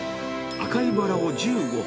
赤いバラを１５本。